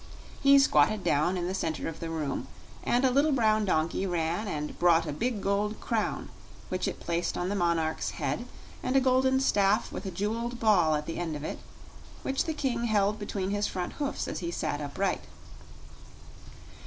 He squatted down in the center of the room and a little brown donkey ran and brought a big gold crown which it placed on the monarch's head, and a golden staff with a jeweled ball at the end of it, which the King held between his front hoofs as he sat upright.